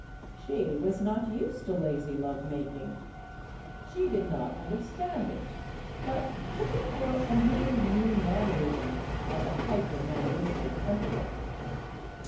She was not used to lazy love making. She did not understand it, but took it for a mere new mannerism of the hypermanneristic emperor.